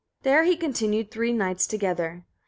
18. There he continued three nights together.